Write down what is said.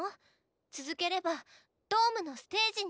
続ければドームのステージに。